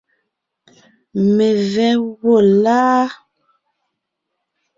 Mevɛ́ gwɔ́ láa?